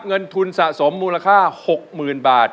เงินทุนสะสมมูลค่า๖๐๐๐บาท